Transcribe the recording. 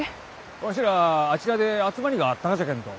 わしらああちらで集まりがあったがじゃけんど。